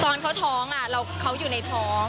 ตอนเขาท้องเขาอยู่ในท้อง